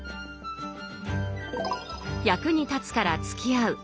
役に立つからつきあう